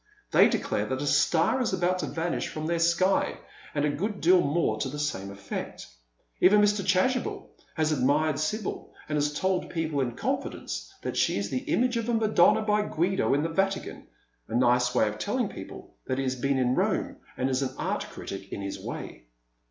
Tliey declare that a star is about to vanish from their sky, and a good deal more to the same effect. Even Mr. Chasubel has admired Sibyl, and has told people in confidence that she is the image of a Madonna by Guido in the Vatican, a nice way of telling people that he has been in Rome, and is an art critic in his way.